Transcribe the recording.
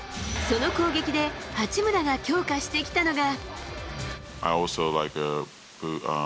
その攻撃で八村が強化してきたのが。